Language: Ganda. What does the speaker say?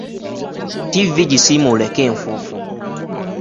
Ttivvi gisiimuuleko enfuufu.